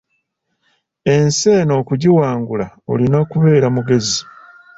Ensi eno okugiwangula olina kubeera mugezi.